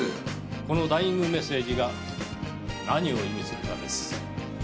このダイイングメッセージが何を意味するかです。